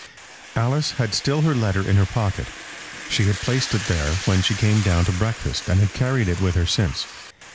Alice had still her letter in her pocket. She had placed it there when she came down to breakfast, and had carried it with her since.